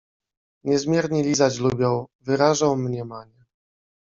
Niezmiernie lizać lubiał, wyrażał mniemanie